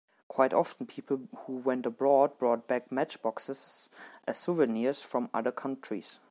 Quite often people who went abroad brought back matchboxes as souvenirs from other countries.